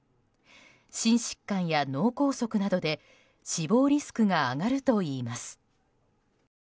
心疾患や脳梗塞などで死亡リスクが上がるといいます。